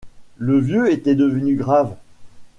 Le vieux était devenu grave.